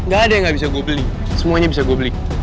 gak ada yang gak bisa gue beli semuanya bisa gue beli